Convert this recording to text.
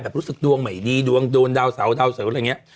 ถ้ารู้สึกดวงดีดวงดวนดาวเสาร์ดาวเส๋อได้เนี่ย